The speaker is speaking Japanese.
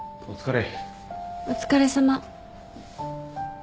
お疲れさま。